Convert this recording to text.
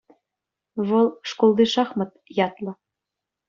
Вӑл «Шкулти шахмат» ятлӑ.